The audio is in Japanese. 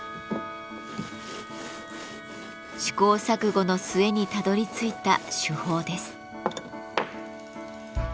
試行錯誤の末にたどりついた手法です。